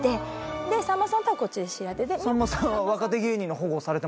さんまさんとはこっちで知り合って。